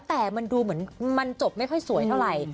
แต่มันดูเหมือนมันจบไม่ค่อยสวยเท่าไหร่